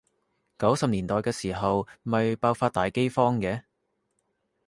九十年代嘅時候咪爆發大饑荒嘅？